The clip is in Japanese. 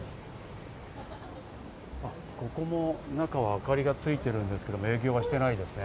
ここも中は明かりがついてるんですけど、営業はしてないですね。